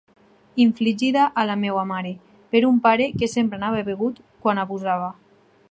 Infligida a la meva mare per un pare que sempre anava begut quan abusava.